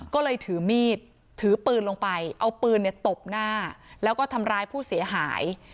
ก็เลยถือมีดถือปืนลงไปเอาปืนตบหน้าแล้วก็ทำร้ายผู้เสียหาย